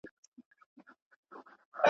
o خپله ژبه هم کلا ده، هم بلا.